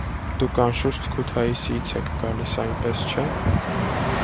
- Դուք անշուշտ Քութայիսից եք գալիս, այնպես չէ՞: